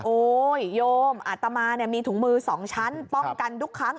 โอ๊ยโยมอาตมามีถุงมือ๒ชั้นป้องกันทุกครั้ง